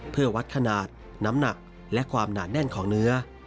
เพื่อวัดขนาดน้ำหนักและความหนาแน่นของเนื้อ